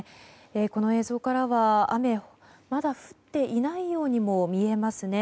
この映像からは、雨はまだ降っていないようにも見えますね。